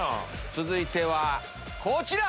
続いてはこちら！